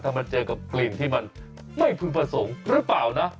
ถ้ามันเจอกับกลิ่นที่มันไม่ผิวผสมรึเปล่านะ